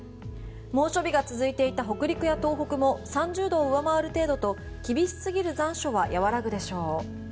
猛暑日が続いていた北陸や東北も３０度を上回る程度と厳しすぎる残暑は和らぐでしょう。